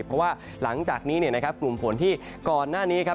เพราะว่าหลังจากนี้เนี่ยนะครับกลุ่มฝนที่ก่อนหน้านี้ครับ